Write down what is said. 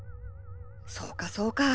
そうかそうか。